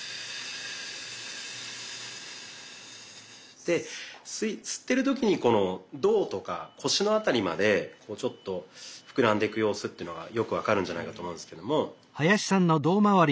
で吸ってる時に胴とか腰のあたりまでちょっと膨らんでく様子というのがよく分かるんじゃないかと思うんですけども。